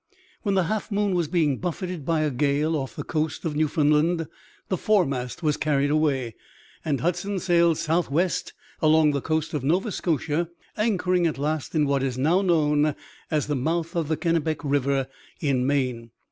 When the Half Moon was being buffeted by a gale off the coast of Newfoundland the foremast was carried away, and Hudson sailed southwest along the coast of Nova Scotia, anchoring at last in what is now known as the mouth of the Kennebec River in Maine.